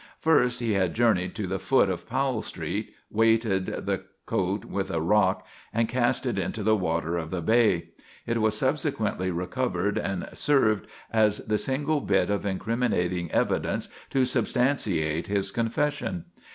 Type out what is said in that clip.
First he had journeyed to the foot of Powell Street, weighted the coat with a rock, and cast it into the water of the bay. It was subsequently recovered and served as the single bit of incriminating evidence to substantiate his confession.